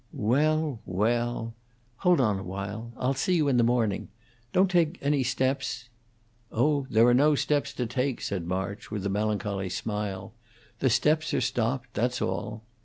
"Well, well! Hold on awhile! I'll see you in the morning. Don't take any steps " "Oh, there are no steps to take," said March, with a melancholy smile. "The steps are stopped; that's all."